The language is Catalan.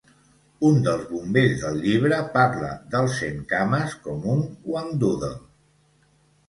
Un dels bombers del llibre parla del centcames com un Whangdoodle.